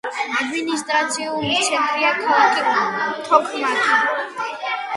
ადმინისტრაციული ცენტრია ქალაქი თოქმაქი.